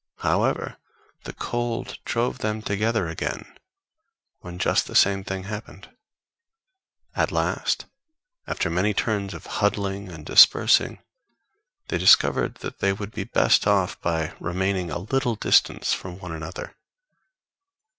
However the cold drove them together again, when just the same thing happened. At last, after many turns of huddling and dispersing, they discovered that they would be best off by remaining at a little distance from one another.